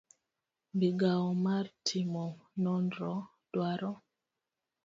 migawo mar timo nonro dwaro